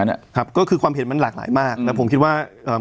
เนี้ยครับก็คือความเห็นมันหลากหลายมากแล้วผมคิดว่าเอ่อ